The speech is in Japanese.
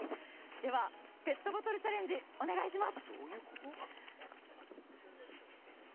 ペットボトルチャレンジお願いします。